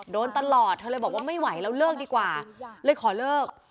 โดนตลอดเธอเลยบอกว่าไม่ไหวแล้วเลิกดีกว่าเลยขอเลิก